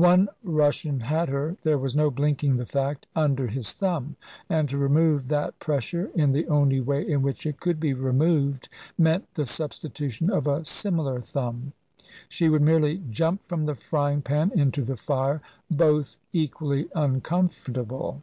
One Russian had her there was no blinking the fact under his thumb; and to remove that pressure, in the only way in which it could be removed, meant the substitution of a similar thumb. She would merely jump from the frying pan into the fire both equally uncomfortable.